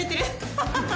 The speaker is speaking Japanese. ハハハ！